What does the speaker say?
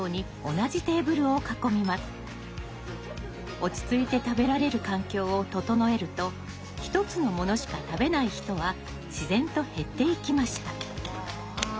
落ち着いて食べられる環境を整えると一つのものしか食べない人は自然と減っていきました。